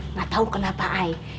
nggak tahu kenapa ay